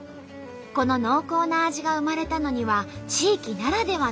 この濃厚な味が生まれたのには地域ならではの事情があるんだって。